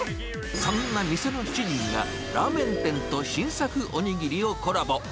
そんな店の主人が、ラーメン店と新作おにぎりをコラボ。